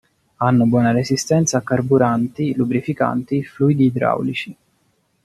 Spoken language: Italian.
Hanno buona resistenza a carburanti, lubrificanti, fluidi idraulici.